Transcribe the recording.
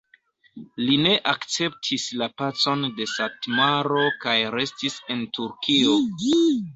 Li ne akceptis la pacon de Satmaro kaj restis en Turkio.